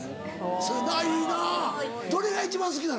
それないいなどれが一番好きなの？